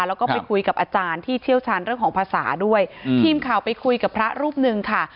แล้วก็ไปคุยกับอาจารย์ที่เชี่ยวชาญเรื่องของภาษาด้วยทีมข่าวไปคุยกับพระรูปหนึ่งค่ะ